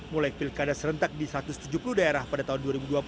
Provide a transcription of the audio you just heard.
mulai pilkada serentak di satu ratus tujuh puluh daerah pada tahun dua ribu dua puluh